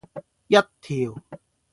一條